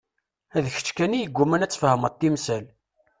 D kečč kan i yegguman ad tfehmeḍ timsal.